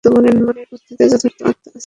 বেদান্ত বলেন, মনের পশ্চাতে যথার্থ আত্মা আছেন।